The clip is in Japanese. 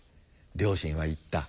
両親は言った。